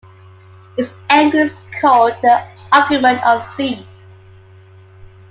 This angle is called the argument of "z".